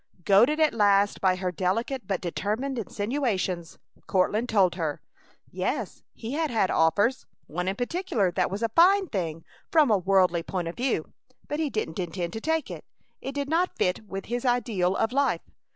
Goaded at last by her delicate but determined insinuations, Courtland told her. Yes, he had had offers; one in particular that was a fine thing from a worldly point of view, but he didn't intend to take it. It did not fit with his ideal of life.